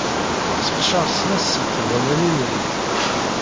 Sseqcer snat seg tbananin-nni.